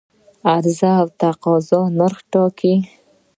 عرضه او تقاضا نرخ ټاکي